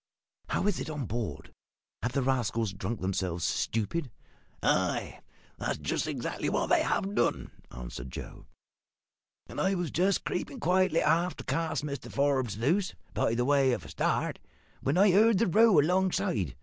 "How is it on board? Have the rascals drunk themselves stupid?" "Ay! that's just exactly what they have done," answered Joe; "and I was just creepin' quietly aft to cast Mr Forbes loose, by way of a start, when I heard the row alongside.